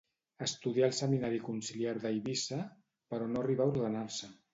Estudià al Seminari Conciliar d'Eivissa, però no arribà a ordenar-se.